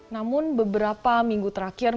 namun beberapa minggu terakhir